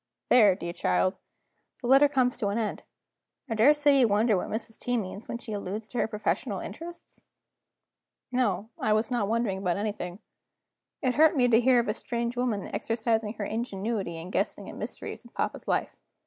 There, dear child, the letter comes to an end. I daresay you wonder what Mrs. T. means, when she alludes to her professional interests?" No: I was not wondering about anything. It hurt me to hear of a strange woman exercising her ingenuity in guessing at mysteries in papa's life.